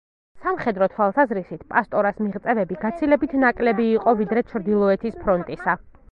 სამხედრო თვალსაზრისით პასტორას მიღწევები გაცილებით ნაკლები იყო ვიდრე ჩრდილოეთის ფრონტისა.